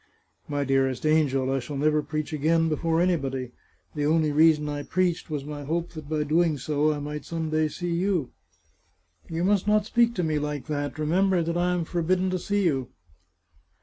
" My dearest angel ! I shall never preach again before anybody. The only reason I preached was my hope that by so doing I might some day see you." " You must not speak to me like that ! Remember that I am forbidden to see you."